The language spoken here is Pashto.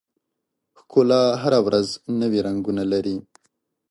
ښکلا هره ورځ نوي رنګونه لري.